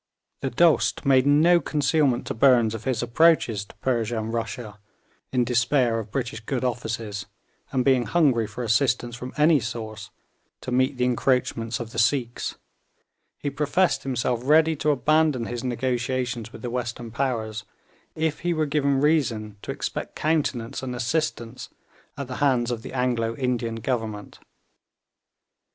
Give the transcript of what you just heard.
The Dost made no concealment to Burnes of his approaches to Persia and Russia, in despair of British good offices, and being hungry for assistance from any source to meet the encroachments of the Sikhs, he professed himself ready to abandon his negotiations with the western powers if he were given reason to expect countenance and assistance at the hands of the Anglo Indian Government.